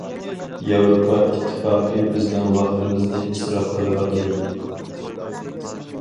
ياۋروپا ئىتتىپاقى بىزنىڭ ۋاقتىمىزنى ئىسراپ قىلىۋاتىدۇ.